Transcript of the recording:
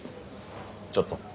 ちょっと。